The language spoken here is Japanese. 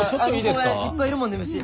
あの公園いっぱいいるもんね虫。